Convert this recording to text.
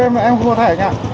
em không có thẻ